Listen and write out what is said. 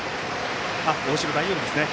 大城は大丈夫ですね。